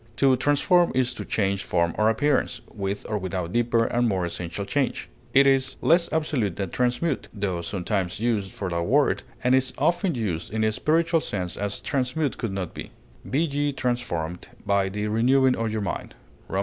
To transform is to change form or appearance, with or without deeper and more essential change; it is less absolute than transmute, tho sometimes used for that word, and is often used in a spiritual sense as transmute could not be; "Be ye transformed by the renewing of your mind," _Rom.